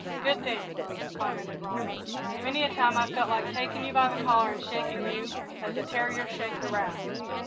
"Good thing," commented Ronald. "Many a time I've felt like taking you by the collar and shaking you as a terrier shakes a rat."